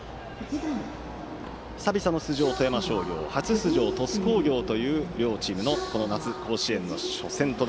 久々の出場、富山商業初出場、鳥栖工業という両チームの夏の甲子園初戦。